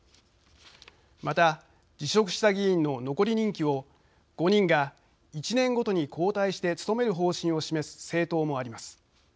また、辞職した議員の残り任期を５人が１年ごとに交代して務める方針を示す政党もあります。